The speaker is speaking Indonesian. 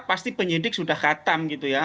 pasti penyidik sudah katam gitu ya